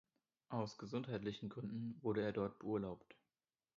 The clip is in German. Aus gesundheitlichen Gründen wurde er dort beurlaubt.